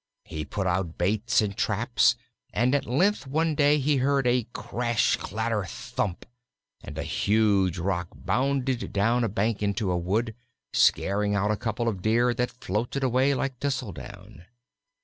He put out baits and traps, and at length one day he heard a crash, clatter, thump, and a huge rock bounded down a bank into a wood, scaring out a couple of deer that floated away like thistle down.